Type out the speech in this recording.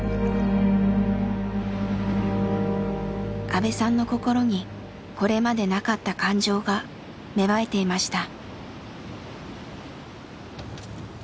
阿部さんの心にこれまでなかった感情が芽生えていました。